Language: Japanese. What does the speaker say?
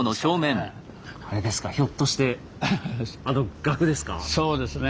あれですかひょっとしてそうですね。